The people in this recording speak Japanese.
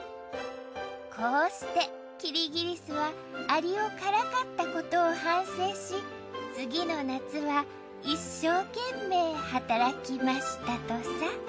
こうしてキリギリスはアリをからかったことを反省し次の夏は一生懸命働きましたとさ。